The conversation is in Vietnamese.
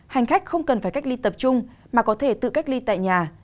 hành khách không cần phải cách ly tập trung mà có thể tự cách ly tại nhà